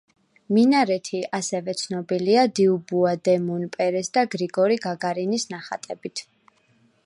მინარეთი ასევე ცნობილია დიუბუა დე მონპერეს და გრიგორი გაგარინის ნახატებით.